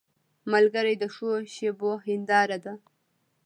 ملګری د ښو شېبو هنداره ده